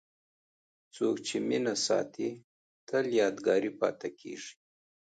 څوک چې مینه ساتي، تل یادګاري پاتې کېږي.